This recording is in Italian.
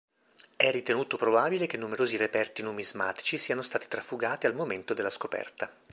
È ritenuto probabile che numerosi reperti numismatici siano stati trafugati al momento della scoperta.